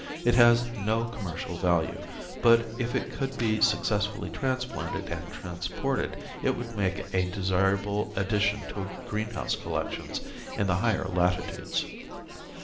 It has no commercial value, but if it could be successfully transplanted and transported it would make a desirable addition to green house collections in the higher latitudes.